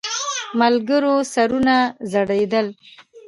ملګرو سرونه ځړېدل.